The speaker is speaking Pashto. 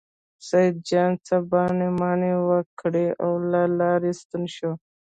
سیدجان څه بانې مانې وکړې او له لارې ستون شو.